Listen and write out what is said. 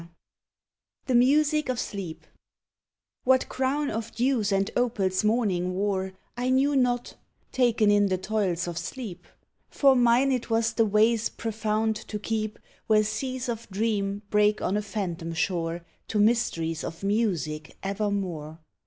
90 THE MUSIC OF SLEEP What crown of dews and opals Morning wore I knew not, taken in the toils of Sleep; For mine it was the ways profound to keep Where seas of dream break on a phantom shore To mysteries of music evermore.